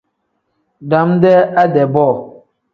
Dam-dee ade-bo.